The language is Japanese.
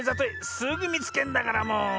すぐみつけんだからもう。